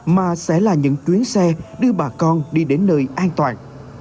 mà sẽ là những chuyến xe đưa bà con đi đến nơi an toàn